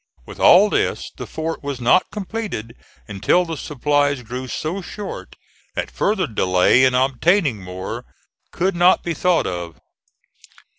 With all this the fort was not completed until the supplies grew so short that further delay in obtaining more could not be thought of.